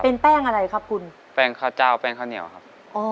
เป็นแป้งอะไรครับคุณแป้งข้าวเจ้าแป้งข้าวเหนียวครับอ๋อ